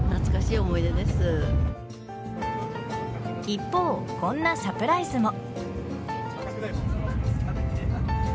一方、こんなサプライズも。